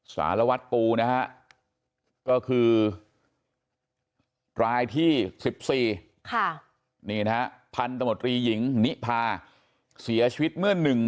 สารวัตรปูนะฮะก็คือรายที่๑๔ค่ะนี่นะฮะพันธมตรีหญิงนิพาเสียชีวิตเมื่อ๑๕